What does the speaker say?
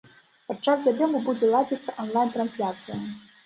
Падчас забегу будзе ладзіцца анлайн-трансляцыя.